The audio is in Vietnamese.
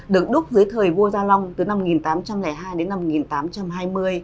được đúc dưới thời vua gia long từ năm một nghìn tám trăm linh hai đến năm một nghìn tám trăm hai mươi